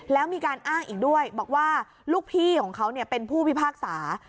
แล้วมีการอ้างอีกด้วยบอกว่าลูกพี่ของเขาเป็นผู้พิพากษา